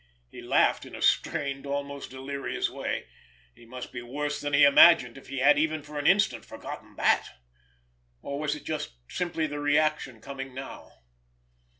He laughed in a strained, almost delirious way. He must be worse than he imagined, if he had, even for an instant, forgotten that! Or was it just simply the reaction coming now?